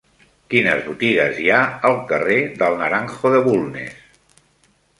Quines botigues hi ha al carrer del Naranjo de Bulnes?